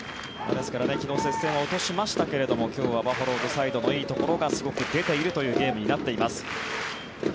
ですから昨日、接戦を落としましたが今日はバファローズサイドのいいところがすごく出ているというゲームになっています。